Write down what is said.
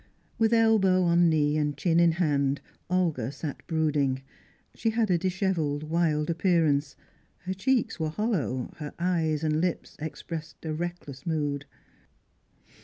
With elbow on knee, and chin in hand, Olga sat brooding. She had a dishevelled, wild appearance; her cheeks were hollow, her eyes and lips expressed a reckless mood.